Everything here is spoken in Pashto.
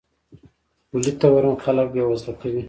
پولي تورم خلک بې وزله کوي.